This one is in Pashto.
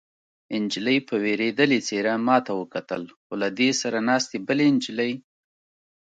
نجلۍ په وېرېدلې څېره ما ته وکتل، خو له دې سره ناستې بلې نجلۍ.